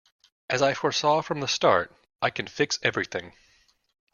As I foresaw from the start, I can fix everything.